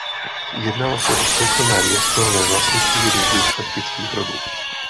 Jednalo se o soukromé město ve vlastnictví různých šlechtických rodů.